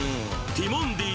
ティモンディ